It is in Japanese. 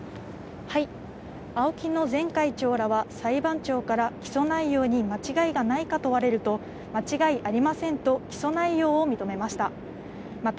ＡＯＫＩの前会長らは、裁判長から起訴内容に間違いがないか問われると、間違いありませんと、起訴内容を認めました。